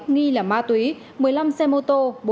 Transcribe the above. nghi là ma túy một mươi năm xe mô tô